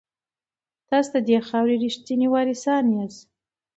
تاسو د دې خاورې ریښتیني وارثان یاست.